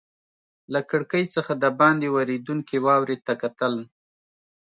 له کړکۍ څخه دباندې ورېدونکې واورې ته کتل.